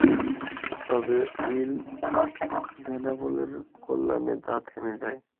তবে, উইল ভেনাবলের কল্যাণে তা থেমে যায়।